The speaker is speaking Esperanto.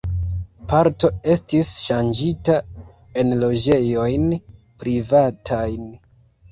Parto estis ŝanĝita en loĝejojn privatajn.